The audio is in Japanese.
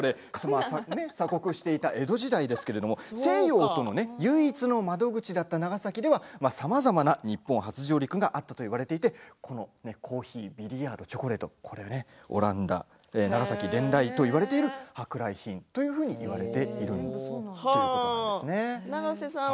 鎖国していた江戸時代ですけれども西洋との唯一の窓口だった長崎ではさまざまな日本初上陸があったといわれていてコーヒー、ビリヤードチョコレートオランダ、長崎伝来といわれている舶来品といわれているんです。